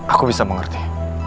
aku bisa mengerti